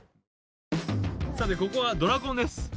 さてここはドラコンです。